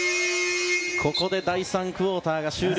ここで第３クオーターが終了。